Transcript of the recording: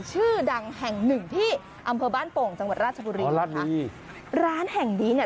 ชื่อดังแห่งหนึ่งที่อำเภอบ้านโป่งจังหวัดราชบุรีร้านแห่งนี้เนี่ย